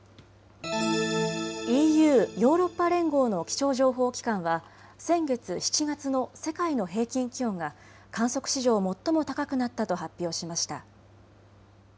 ＥＵ・ヨーロッパ連合の気象情報機関は先月７月の世界の平均気温が観測史上最も高くなったと発表しました。